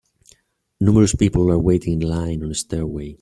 Numerous people are waiting in line on a stairway.